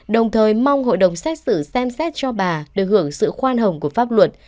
đồng thời mong hội đồng xét xử xem xét cho bà được hưởng sự khoan hồng của pháp luật